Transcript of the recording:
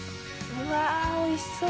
うわっおいしそう！